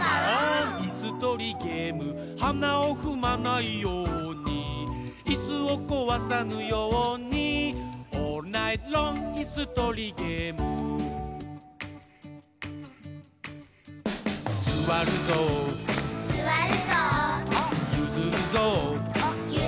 いすとりゲーム」「はなをふまないように」「いすをこわさぬように」「オールナイトロングいすとりゲーム」「すわるぞう」「ゆずるぞう」